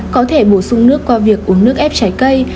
có thể bổ sung nước qua việc uống nước ép trái cây